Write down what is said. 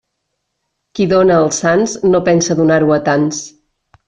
Qui dóna als sants, no pensa donar-ho a tants.